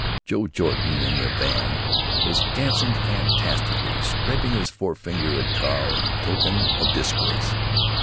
Joe Jordan, in the van, was dancing fantastically, scraping his forefinger at Carl, in token of disgrace.